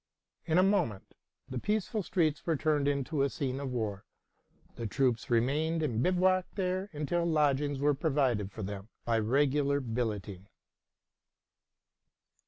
In a moment the peaceful streets were turned into a scene of war. The troops remained and bivouacked there until lodgings were provided for them by regular billeting.